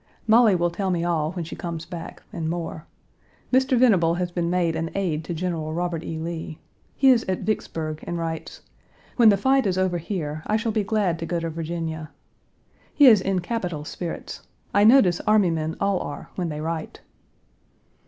Molly will tell me all when she comes back, and more. Mr. Venable has been made an aide to General Robert E. Lee. He is at Vicksburg, and writes, "When the fight is over here, I shall be glad to go to Virginia." He is in capital spirits. I notice army men all are when they write.